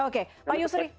tapi dengan seri mbak